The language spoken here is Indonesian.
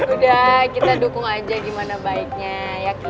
udah kita dukung aja gimana baiknya ya ki